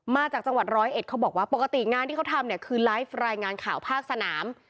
มาจากจังหวัดร้อยเอ็ดเขาบอกว่าปกติงานที่เขาทำเนี่ยคือไลฟ์รายงานข่าวภาคสนาม